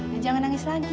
ya jangan nangis lagi